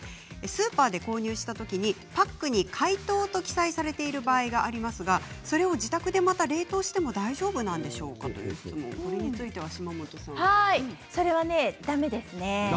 スーパーで購入したときにパックに解凍と記載されている場合がありますが自宅でまた冷凍しても大丈夫なんでしょうかそれはだめですね。